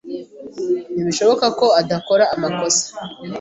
Ntibishoboka ko adakora amakosa.